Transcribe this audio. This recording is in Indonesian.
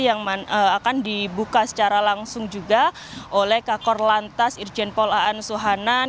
yang akan dibuka secara langsung juga oleh kakor lantas irjen pol aan suhanan